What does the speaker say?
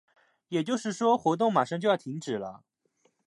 也就是说，活动马上就要停止了。